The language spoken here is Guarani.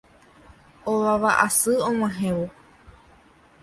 ovava asy oguatávo